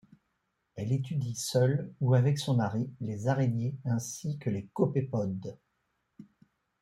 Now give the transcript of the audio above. Elle étudie, seule ou avec son mari, les araignées ainsi que les copépodes.